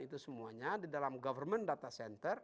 itu semuanya di dalam government data center